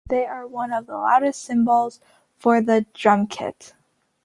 They are one of the loudest cymbals for the drum kit.